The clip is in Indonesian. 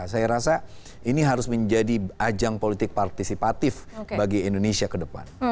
saya rasa ini harus menjadi ajang politik partisipatif bagi indonesia ke depan